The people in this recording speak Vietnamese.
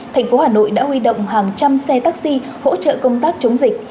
thành phố hà nội đã huy động hàng trăm xe taxi hỗ trợ công tác chống dịch